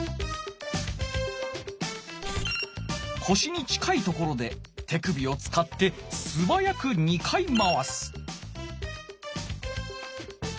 こしに近いところで手首をつかってすばやく２回まわす。